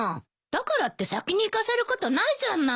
だからって先に行かせることないじゃない。